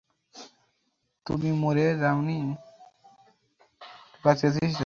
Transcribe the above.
তুমি মরে যাওনি।